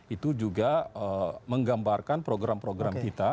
itu juga menggambarkan program program kita